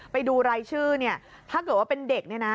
ไปดูรายชื่อเนี่ยถ้าเกิดว่าเป็นเด็กเนี่ยนะ